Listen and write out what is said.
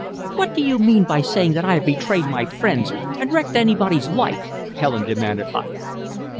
"What do you mean by saying that I have betrayed my friends and wrecked anybody's life?" Helen demanded, hotly.